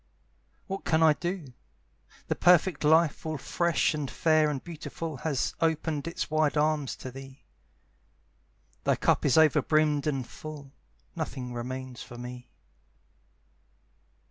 What can I do? The perfect life All fresh and fair and beautiful Has opened its wide arms to thee; Thy cup is over brimmed and full; Nothing remains for me.